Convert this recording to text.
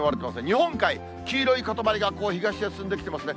日本海、黄色いかたまりが東へ進んできてますね。